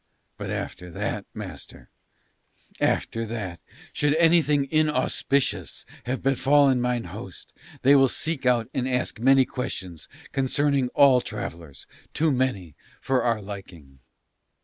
But after that; master, after that, should anything inauspicious have befallen mine host, they will seek out and ask many questions concerning all travellers, too many for our liking."